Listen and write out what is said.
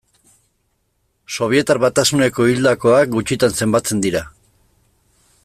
Sobietar Batasuneko hildakoak gutxitan zenbatzen dira.